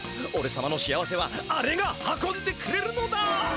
おれさまの幸せはあれが運んでくれるのだ！